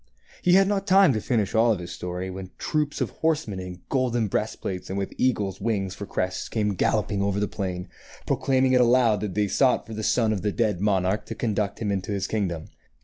He had not time to finish all his story when troops of horsemen in golden breast plates and with eagles' wings for crests came galloping over the plain, proclaiming it aloud that they sought for the son of the dead monarch to conduct him to his kingdom.